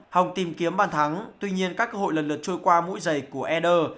hồng tìm kiếm bàn thắng tuy nhiên các cơ hội lần lượt trôi qua mũi giày của eder